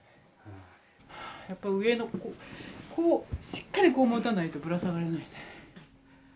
やっぱ上のしっかりこう持たないとぶら下がれないね。